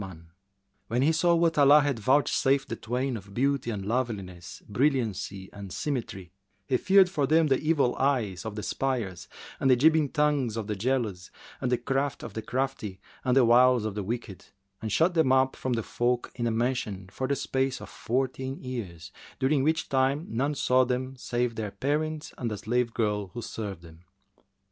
[FN#376] When he saw what Allah had vouchsafed the twain of beauty and loveliness, brilliancy and symmetry, he feared for them the evil eyes[FN#377] of the espiers and the jibing tongues of the jealous and the craft of the crafty and the wiles of the wicked and shut them up from the folk in a mansion for the space of fourteen years, during which time none saw them save their parents and a slave girl who served them.